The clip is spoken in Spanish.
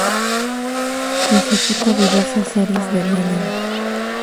Ejecuta diversas series de Lenin.